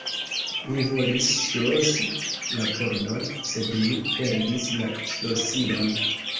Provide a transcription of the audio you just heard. Mi volis ŝlosi la pordon, sed mi perdis la ŝlosilon.